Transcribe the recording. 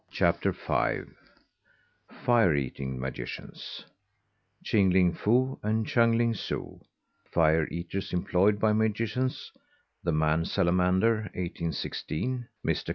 CHAPTER FIVE FIRE EATING MAGICIANS: CHING LING FOO AND CHUNG LING SOO. FIRE EATERS EMPLOYED BY MAGICIANS: THE MAN SALAMANDER, 1816; MR.